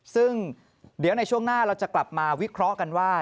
ซึ่งเดี๋ยวในช่วงหน้าเราจะกลับมาวิเคราะห์กันว่า